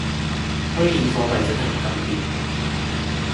虛擬貨幣真係唔敢掂